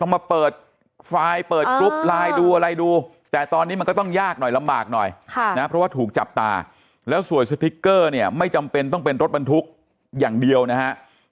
มาเปิดไฟล์เปิดกรุ๊ปไลน์ดูอะไรดูแต่ตอนนี้มันก็ต้องยากหน่อยลำบากหน่อยนะเพราะว่าถูกจับตาแล้วสวยสติ๊กเกอร์เนี่ยไม่จำเป็นต้องเป็นรถบรรทุกอย่างเดียวนะฮะ